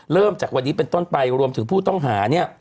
จากวันนี้เป็นต้นไปรวมถึงผู้ต้องหาเนี่ย